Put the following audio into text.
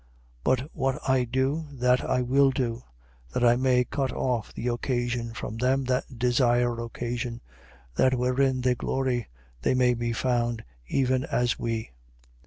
11:12. But what I do, that I will do: that I may cut off the occasion from them that desire occasion: that wherein they glory, they may be found even as we.